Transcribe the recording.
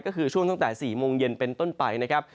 ก็คือช่วงตั้งแต่๔โมงเย็นเป็นต้นไปนะครับ